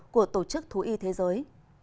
của tổ chức thú y thế giới